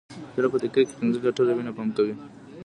زړه په دقیقه کې پنځه لیټره وینه پمپ کوي.